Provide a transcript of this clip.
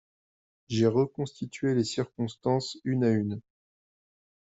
J'ai reconstitué les circonstances une à une.